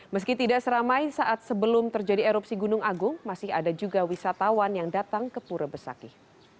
meski tidak seramai saat sebelum terjadi erupsi gunung agung masih ada juga wisatawan yang datang ke pura besakih